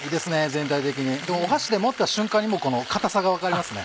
全体的に箸で持った瞬間にこの硬さが分かりますね